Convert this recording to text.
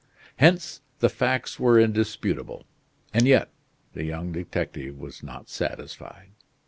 Hence, the facts were indisputable; and yet, the young detective was not satisfied.